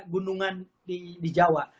gunungan di jawa